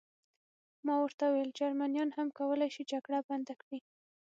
ما ورته وویل: جرمنیان هم کولای شي جګړه بنده کړي.